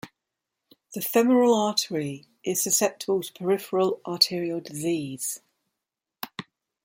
The femoral artery is susceptible to peripheral arterial disease.